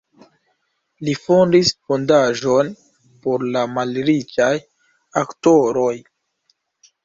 Li fondis fondaĵon por la malriĉaj aktoroj.